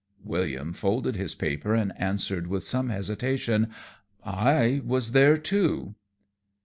William folded his paper and answered with some hesitation, "I was there, too."